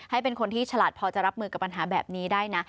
ให้เป็นคนที่ฉลาดพอจะรับมือกับปัญหาแบบนี้ได้นะ